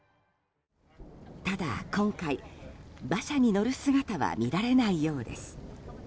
ただ今回、馬車に乗る姿は見られないようです。